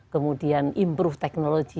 kemudian improve teknologi